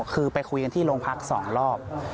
คือไปคุยกันที่โรงพักษณ์สองรอบ